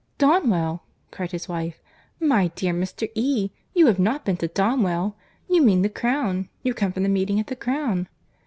"Donwell!" cried his wife.—"My dear Mr. E., you have not been to Donwell!—You mean the Crown; you come from the meeting at the Crown."